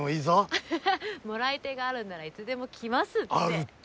あはは貰い手があるんならいつでも来ますって。